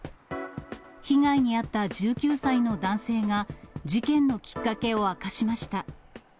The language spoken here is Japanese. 被害に遭った１９歳の男性が、事件のきっかけを明かしました。